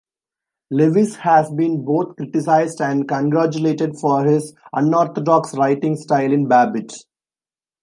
Lewis has been both criticized and congratulated for his unorthodox writing style in "Babbitt".